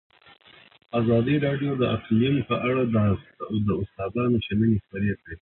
ازادي راډیو د اقلیم په اړه د استادانو شننې خپرې کړي.